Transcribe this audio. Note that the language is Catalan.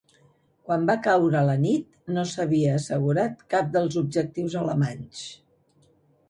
Quan va caure la nit, no s'havia assegurat cap dels objectius alemanys.